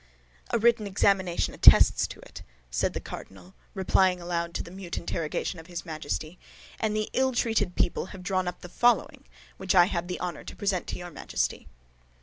"A written examination attests it," said the cardinal, replying aloud to the mute interrogation of his Majesty; "and the ill treated people have drawn up the following, which I have the honor to present to your Majesty."